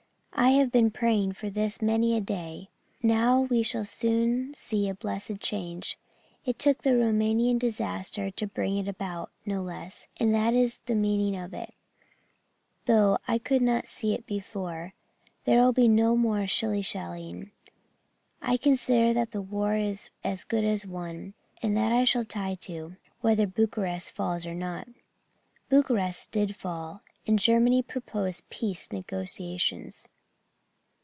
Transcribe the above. I have been praying for this for many a day. Now we shall soon see a blessed change. It took the Rumanian disaster to bring it about, no less, and that is the meaning of it, though I could not see it before. There will be no more shilly shallying. I consider that the war is as good as won, and that I shall tie to, whether Bucharest falls or not." Bucharest did fall and Germany proposed peace negotiations.